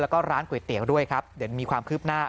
แล้วก็ร้านก๋วยเตี๋ยวด้วยครับเดี๋ยวมีความคืบหน้า